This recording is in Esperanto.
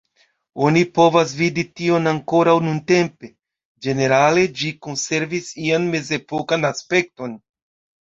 Oni povas vidi tion ankoraŭ nuntempe; ĝenerale ĝi konservis ian mezepokan aspekton.